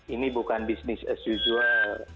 ini bukan bisnis as usual